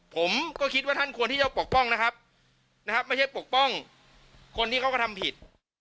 ผมก็คิดว่าท่านควรที่จะปกป้องนะครับนะครับไม่ใช่ปกป้องคนที่เขาก็ทำผิด